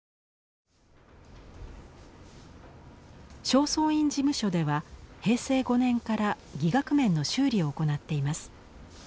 正倉院事務所では平成５年から伎楽面の修理を行っています。